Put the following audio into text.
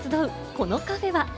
このカフェは。